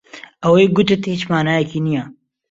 ئەوەی گوتت هیچ مانایەکی نییە.